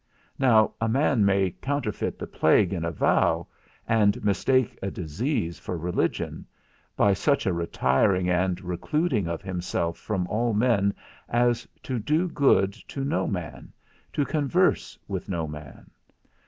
Now a man may counterfeit the plague in a vow, and mistake a disease for religion, by such a retiring and recluding of himself from all men as to do good to no man, to converse with no man.